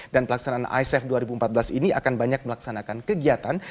dan pelaksanaan isef dua ribu empat belas ini akan banyak melaksanakan kegiatan